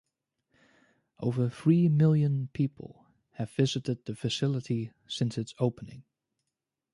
Over three million people have visited the facility since its opening.